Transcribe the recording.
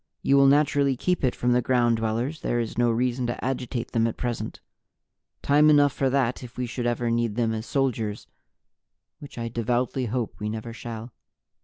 You will naturally keep it from the Ground Dwellers; there is no reason to agitate them at present. Time enough for that if we should ever need them as soldiers which I devoutly hope we never shall."